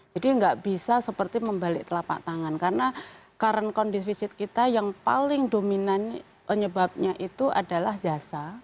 nggak bisa seperti membalik telapak tangan karena current condivisit kita yang paling dominan penyebabnya itu adalah jasa